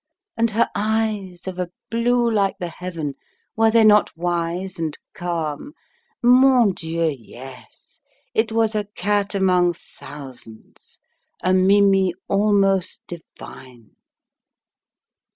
And her eyes, of a blue like the heaven, were they not wise and calm? Mon Dieu, yes! It was a cat among thousands, a mimi almost divine.